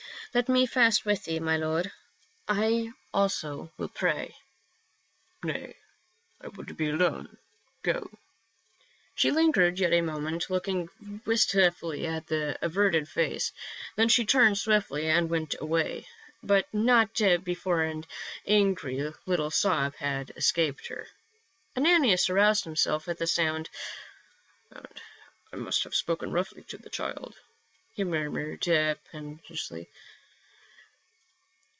" Let me fast with thee, my lord. I also will pray." 20 PA UL. " Nay, I would be alone. Go." She lingered yet a moment, looking wistfully at the averted face, then she turned swiftly and went away, but not before an angry little sob had escaped her. Ananias aroused himself at the sound. " I must have spoken roughly to the child," he murmured peni tently.